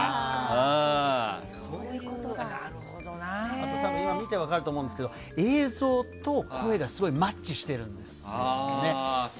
あと見て分かると思うんですけど、映像と声がすごくマッチしているんですよね。